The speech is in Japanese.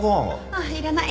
ああいらない。